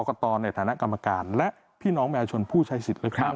กรกฎในฐานะกรรมการและพี่น้องแม่ชนผู้ใช้สิทธิ์เลยครับ